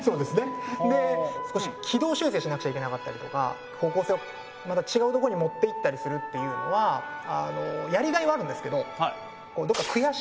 で少し軌道修正しなくちゃいけなかったりとか方向性をまたちがうところに持っていったりするっていうのはやりがいはあるんですけどこうどっか悔しいというか。